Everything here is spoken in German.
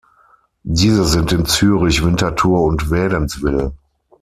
Diese sind in Zürich, Winterthur und Wädenswil.